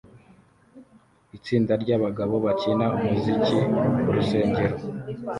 Itsinda ryabagabo bakina umuziki kurusengero